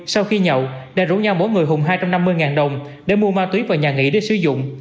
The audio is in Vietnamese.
sau khi nhậu đã rủ nhau mỗi người hùng hai trăm năm mươi đồng để mua ma túy vào nhà nghỉ để sử dụng